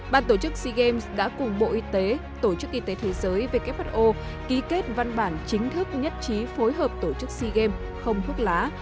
bàn tổ chức sea games đã cùng bộ y tế tổ chức y tế thế giới who ký kết văn bản chính thức nhất trí phối hợp tổ chức sea games không thuốc lá